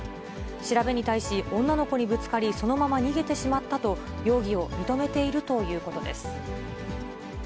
調べに対し、女の子にぶつかり、そのまま逃げてしまったと、容疑を認めているということです。